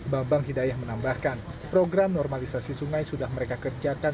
bambang hidayah menambahkan program normalisasi sungai sudah mereka kerjakan